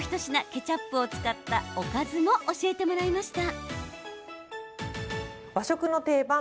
ケチャップを使ったおかずも教えてもらいました。